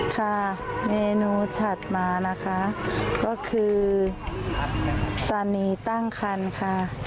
ค่ะเมนูถัดมานะคะก็คือตอนนี้ตั้งคันค่ะ